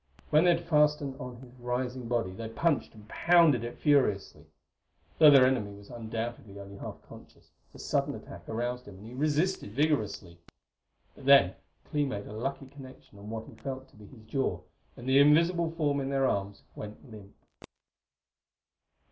When they had fastened on his rising body they punched and pounded it furiously. Though their enemy was undoubtedly only half conscious, the sudden attack aroused him and he resisted vigorously. But then Clee made a lucky connection on what he felt to be his jaw, and the invisible form in their arms went limp.